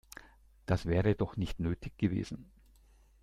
Das wäre doch nicht nötig gewesen.